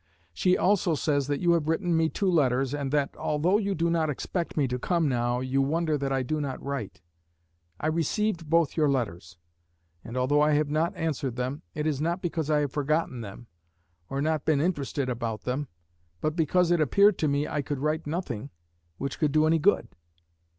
She also says that you have written me two letters, and that, although you do not expect me to come now, you wonder that I do not write. I received both your letters; and although I have not answered them, it is not because I have forgotten them, or not been interested about them, but because it appeared to me I could write nothing which could do any good.